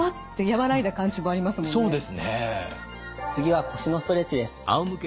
次は腰のストレッチです。